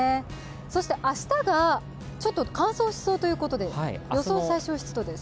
そして明日が乾燥しそうということで予想最小湿度です。